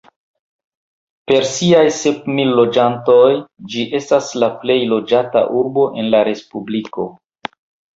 Per siaj sep mil loĝantoj ĝi estas la plej loĝata urbo en la respubliko.